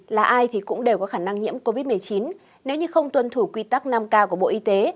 là ai thì cũng đều có khả năng nhiễm covid một mươi chín nếu như không tuân thủ quy tắc năm k của bộ y tế